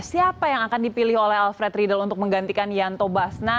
siapa yang akan dipilih oleh alfred riedel untuk menggantikan yanto basna